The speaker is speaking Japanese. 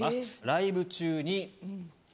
「ライブ中に」。